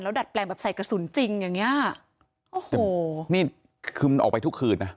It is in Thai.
ดัดแปลงแบบใส่กระสุนจริงอย่างเงี้ยโอ้โหนี่คือมันออกไปทุกคืนนะ